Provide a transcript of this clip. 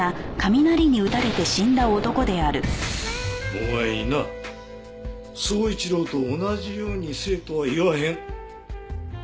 お前にな宗一郎と同じようにせえとは言わへん。